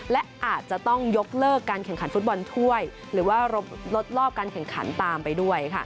และอาจจะต้องยกเลิกการแข่งขันฟุตบอลถ้วยหรือว่าลดรอบการแข่งขันตามไปด้วย